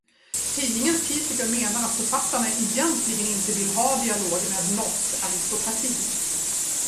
Tidningens kritiker menar att författarna egentligen inte vill ha dialog med norsk aristokrati.